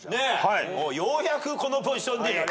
ようやくこのポジションに来ました。